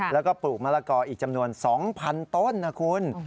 แล้วก็ปลูกมะละกออีกจำนวน๒๐๐๐ต้นนะคุณ